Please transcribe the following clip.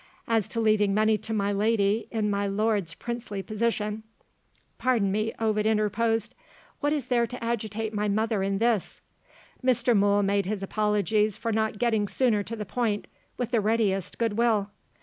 As to leaving money to my lady, in my lord's princely position " "Pardon me," Ovid interposed, "what is there to agitate my mother in this?" Mr. Mool made his apologies for not getting sooner to the point, with the readiest good will.